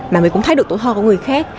mà mình cũng thấy được tuổi thơ của người khác